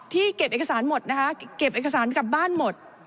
เก็บเอกสารหมดนะคะเก็บเอกสารกลับบ้านหมด